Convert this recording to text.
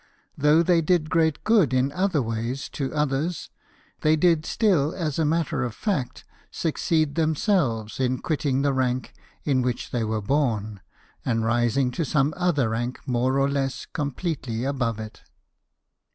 Though they did great good in other ways to others, they did still as a matter of fact succeed themselves in quitting the rank in which they were born, and rising to some other rank more or less completely above it.